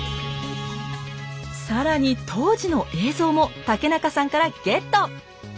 更に当時の映像も竹中さんからゲット！